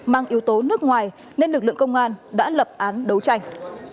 mang yếu tố nước ngoài nên lực lượng công an đã lập án đấu tranh